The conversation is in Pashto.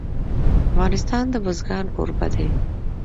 افغانستان د بزګان کوربه دی.